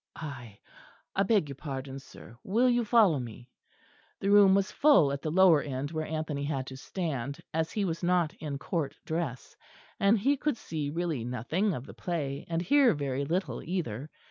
I I beg your pardon, sir, will you follow me?" The room was full at the lower end where Anthony had to stand, as he was not in Court dress; and he could see really nothing of the play, and hear very little either.